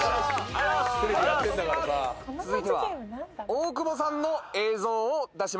続いては大久保さんの映像を出します。